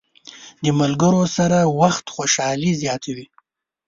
د ملګرو سره وخت خوشحالي زیاته وي.